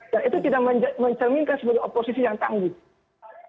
dan itu tidak mencerminkan sebagai oposisi yang tangguh